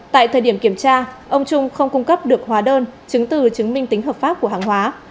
tại thời điểm kiểm tra ông trung không cung cấp được hóa đơn chứng từ chứng minh tính hợp pháp của hàng hóa